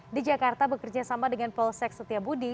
di jakarta bekerjasama dengan polsek setia budi